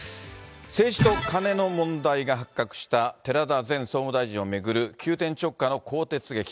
政治とカネの問題が発覚した寺田前総務大臣を巡る急転直下の更迭劇。